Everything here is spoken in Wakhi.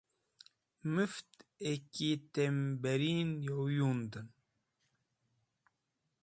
Mũft a ki tem birin yow yunden.